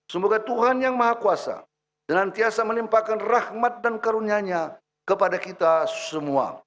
semoga tuhan yang maha kuasa dengan tiasa menimpakan rahmat dan karunianya kepada kita semua